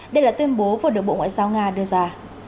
đây là tuyên bố vừa được bộ ngoại giao nga đưa ra